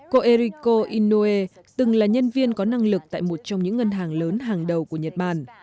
cô erico inoe từng là nhân viên có năng lực tại một trong những ngân hàng lớn hàng đầu của nhật bản